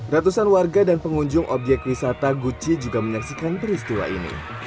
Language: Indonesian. ratusan warga dan pengunjung objek wisata gucci juga menyaksikan peristiwa ini